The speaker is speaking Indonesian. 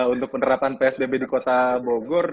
untuk penerapan psbb di kota bogor